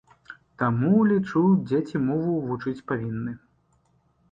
Таму, лічу, дзеці мову вучыць павінны.